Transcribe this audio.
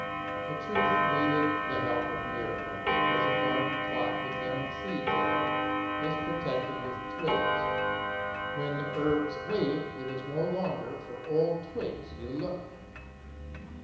The truth needed the help of miracles, as a garden plot with young seeds in it is protected with twigs. When the herbs wave, it is no longer for old twigs you look.